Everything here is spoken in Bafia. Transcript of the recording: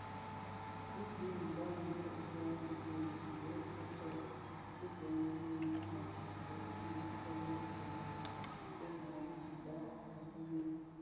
Bi zi i mbam yè dyaň yidëň, kè totök dhibeň di mësiňdèn di fonnë fèn fèn a dhiba a nōōtèn.